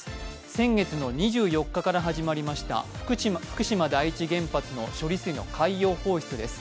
先月の２４日から始まりました福島第一原発の処理水の海洋放出です。